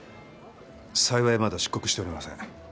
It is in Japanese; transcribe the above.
幸いまだ出国しておりません。